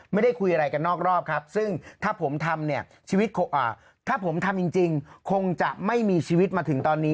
ไม่ได้คุยอะไรกันนอกรอบครับซึ่งถ้าผมทำเนี่ยชีวิตถ้าผมทำจริงคงจะไม่มีชีวิตมาถึงตอนนี้